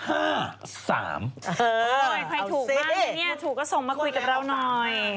เคยถูกมากนะเนี่ยถูกก็ส่งมาคุยกับเราหน่อย